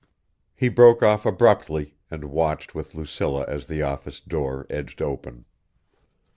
He broke off abruptly and watched with Lucilla as the office door edged open.